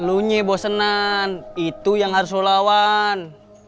lunyeh bosenan itu yang harus sulawan